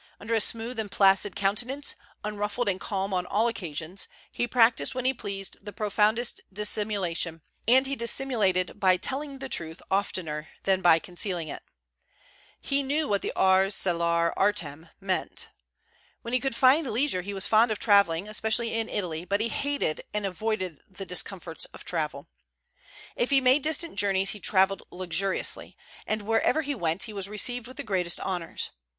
Under a smooth and placid countenance, unruffled and calm on all occasions, he practised when he pleased the profoundest dissimulation; and he dissimulated by telling the truth oftener than by concealing it. He knew what the ars celare artem meant. When he could find leisure he was fond of travelling, especially in Italy; but he hated and avoided the discomforts of travel. If he made distant journeys he travelled luxuriously, and wherever he went he was received with the greatest honors.